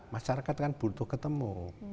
masyarakat kan butuh ketemu